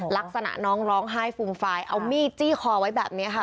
ลักษณะน้องร้องไห้ฟูมฟายเอามีดจี้คอไว้แบบนี้ค่ะ